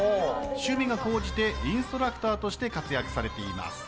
趣味が高じてインストラクターとして活躍されています。